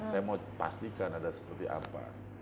saya mau pastikan ada seperti apa